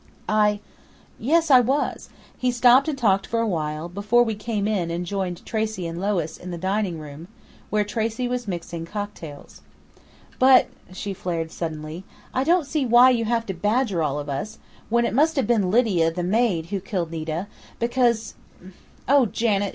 "I yes, I was! He stopped and talked for a while, before we came in and joined Tracey and Lois in the dining room, where Tracey was mixing cocktails.... But," she flared suddenly, "I don't see why you have to badger all of us, when it must have been Lydia, the maid, who killed Nita, because " "Oh, Janet!